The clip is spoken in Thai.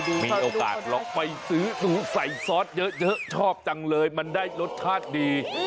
มีโอกาสลองไปซื้อใส่ซอสเยอะชอบจังเลยมันได้รสชาติดี